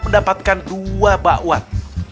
dapatkan dua bakwan